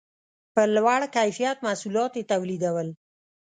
په لوړ کیفیت محصولات یې تولیدول